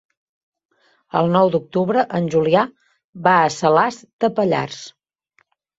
El nou d'octubre en Julià va a Salàs de Pallars.